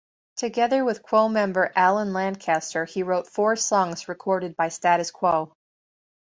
Together with Quo member Alan Lancaster he wrote four songs recorded by Status Quo.